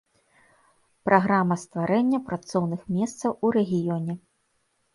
Праграма стварэння працоўных месцаў у рэгіёне.